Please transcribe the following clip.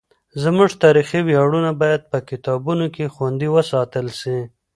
زموږ تاریخي ویاړونه باید په کتابونو کې خوندي وساتل سي.